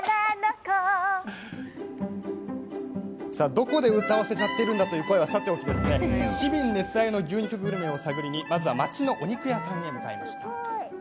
どこで歌わせてるんだという声はさておき市民熱愛の牛肉グルメを探りにまずは町のお肉屋さんへ。